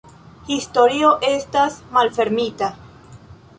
Historio estas malfermita.